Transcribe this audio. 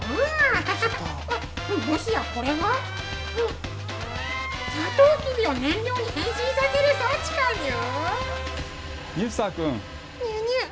もしや、これがさとうきびを燃料に変身させる装置かにゅ。